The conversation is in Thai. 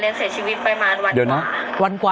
เรียนเสียชีวิตไปประมาณ๑วันกว่า